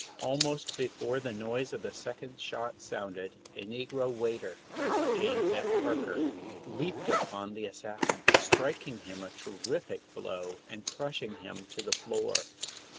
Almost before the noise of the second shot sounded a negro waiter, James F. Parker, leaped upon the assassin, striking him a terrific blow and crushing him to the floor.